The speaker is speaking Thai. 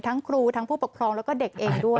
ครูทั้งผู้ปกครองแล้วก็เด็กเองด้วย